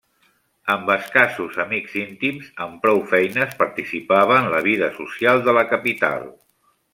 Amb escassos amics íntims, amb prou feines participava en la vida social de la capital.